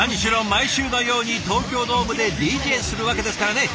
毎週のように東京ドームでＤＪするわけですからね。